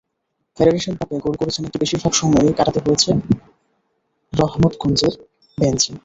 Federation কাপে goal করেছেন একটি, বেশিরভাগ সময়ই কাটাতে হয়েছে রহমতগঞ্জের বেঞ্চে।